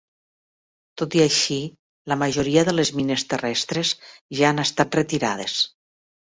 Tot i així, la majoria de les mines terrestres ja han estat retirades.